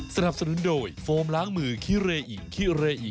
สนับสนุนโดยโฟมล้างมือคิเรอิคิเรอิ